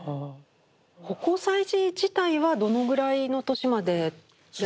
葆光彩磁自体はどのぐらいの年までやっていくんですか？